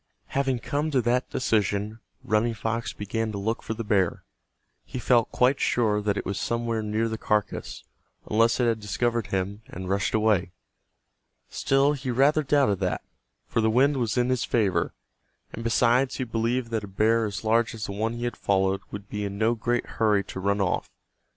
Having come to that decision Running Fox began to look for the bear. He felt quite sure that it was somewhere near the carcass, unless it had discovered him and rushed away. Still he rather doubted that, for the wind was in his favor, and besides he believed that a bear as large as the one he had followed would be in no great hurry to run off.